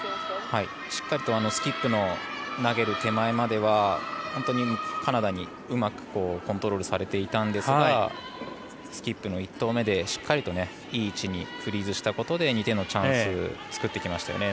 しっかりとスキップの投げる手前までは本当に、カナダにうまくコントロールされていたんですがスキップの１投目でしっかりいい位置にフリーズしたことで２点のチャンスを作ってきました。